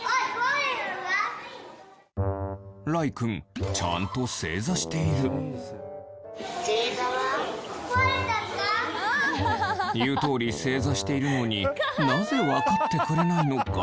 良依くんちゃんと正座している言う通り正座しているのになぜ分かってくれないのか？